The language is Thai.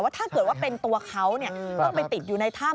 ถ้าเกิดว่าเป็นตัวเขาต้องไปติดอยู่ในถ้ำ